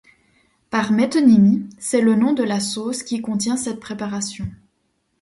Par métonymie, c'est le nom de la sauce qui contient cette préparation.